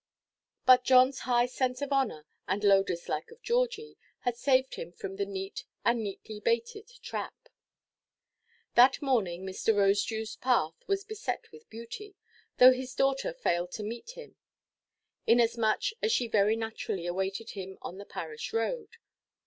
But Johnʼs high sense of honour, and low dislike of Georgie, had saved him from the neat, and neatly–baited, trap. That morning Mr. Rosedewʼs path was beset with beauty, though his daughter failed to meet him; inasmuch as she very naturally awaited him on the parish road.